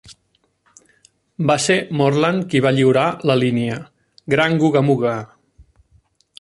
Va ser Moreland qui va lliurar la línia, Gran Googa Mooga!